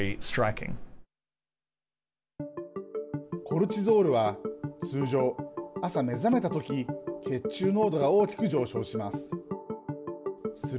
コルチゾールは通常、朝目覚めたとき血中濃度が大きく上昇します。